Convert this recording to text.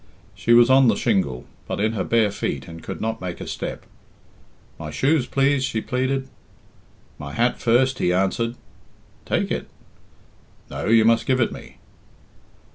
She was on the shingle, but in her bare feet, and could not make a step. "My shoes, please?" she pleaded. "My hat first," he answered. "Take it." "No; you must give it me."